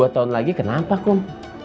dua tahun lagi kenapa kok